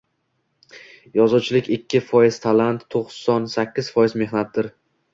Yozuvchilik-ikki foiz talant, to’qson sakkiz foiz mehnatdir